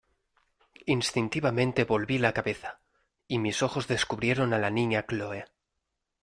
instintivamente volví la cabeza, y mis ojos descubrieron a la Niña Chole.